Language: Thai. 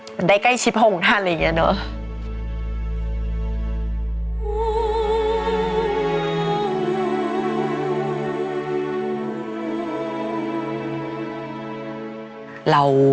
จะได้ใกล้ชิดห่งของท่านอะไรอย่างงี้เนอะ